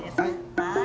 はい。